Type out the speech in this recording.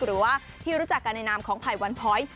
หรือว่าที่รู้จักกันในนามของไผ่วันพ้อย